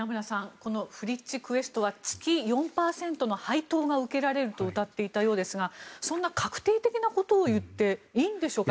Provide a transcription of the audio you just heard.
このフリッチクエストは月４％の配当が受けられるとうたっていたようですがそんな確定的なことを言っていいんでしょうか。